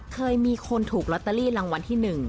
เคยมีคนถูกลอตเตอรี่รางวัลที่๑